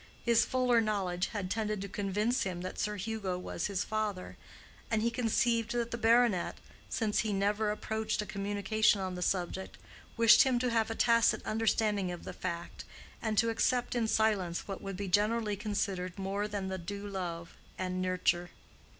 His fuller knowledge had tended to convince him that Sir Hugo was his father, and he conceived that the baronet, since he never approached a communication on the subject, wished him to have a tacit understanding of the fact, and to accept in silence what would be generally considered more than the due love and nurture.